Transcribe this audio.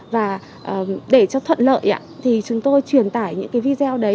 và để cho thuận lợi thì chúng tôi truyền tải những cái video đấy